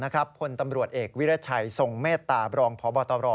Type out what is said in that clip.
พลตำรวจเอกวิรัชัยทรงเมตตาบรองพบตร